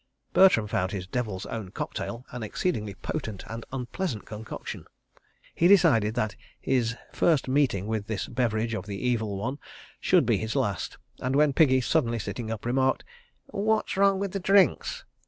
Bertram found his Devil's Own cocktail an exceedingly potent and unpleasant concoction. He decided that his first meeting with this beverage of the Evil One should be his last, and when Piggy, suddenly sitting up, remarked: "What's wrong with the drinks?"